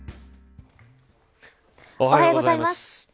おはようございます。